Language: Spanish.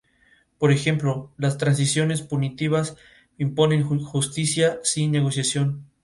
Por ejemplo, las transiciones punitivas imponen justicia sin negociación.